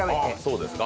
そうですか。